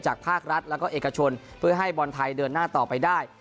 ภาครัฐแล้วก็เอกชนเพื่อให้บอลไทยเดินหน้าต่อไปได้